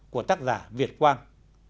của tác giả việt quang